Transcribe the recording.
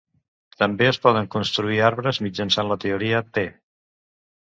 També es poden construir arbres mitjançant la teoria T.